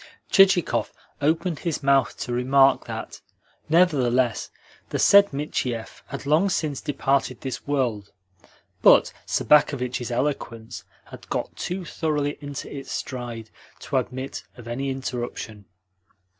Chichikov opened his mouth to remark that, nevertheless, the said Michiev had long since departed this world; but Sobakevitch's eloquence had got too thoroughly into its stride to admit of any interruption.